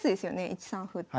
１三歩って。